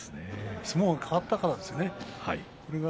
相撲が変わったからですね。